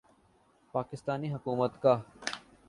پاکستان حکومت کا